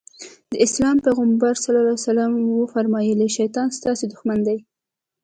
د اسلام پيغمبر ص وفرمايل شيطان ستاسې دښمن دی.